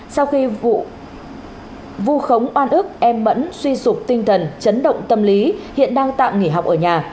sau khi vụ vu khống oan ức em mẫn suy sụp tinh thần chấn động tâm lý hiện đang tạm nghỉ học ở nhà